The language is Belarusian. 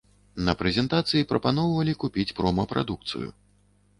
На прэзентацыі прапаноўвалі купіць прома-прадукцыю.